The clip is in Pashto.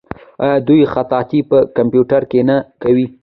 آیا دوی خطاطي په کمپیوټر کې نه کوي؟